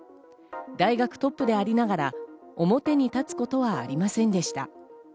大学トップでありながら表に立つことはありませんでした。